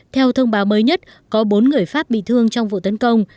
theo thông báo mới nhất có bốn người pháp bị thương trong vụ tấn công